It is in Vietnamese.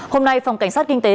hôm nay phòng cảnh sát kinh tế